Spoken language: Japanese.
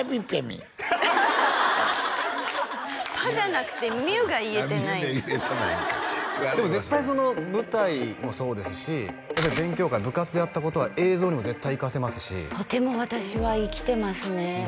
ゅ「ぱ」じゃなくて「みゅ」が言えてない「みゅ」が言えてないんかでも絶対その舞台もそうですしやっぱり勉強会部活でやったことは映像にも絶対生かせますしとても私は生きてますね